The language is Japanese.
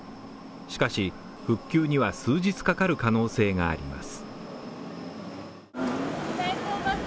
しかし、復旧には数日かかる可能性があります。